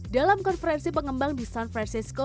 dalam konferensi pengembang di san francisco